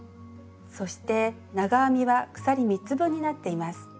そして長編みは鎖３つ分になっています。